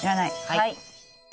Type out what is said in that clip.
はい。